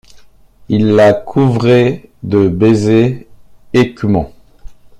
Il la couvrait de baisers écumants.